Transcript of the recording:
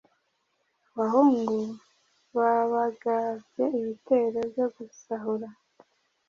abahungu ba bagabye ibitero byo gusahura